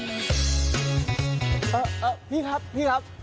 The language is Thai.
เอ๊ะพี่ครับ